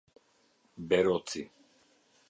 Beroci